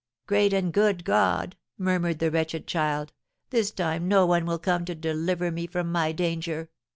'Great and good God!' murmured the wretched child, 'this time no one will come to deliver me from my danger!'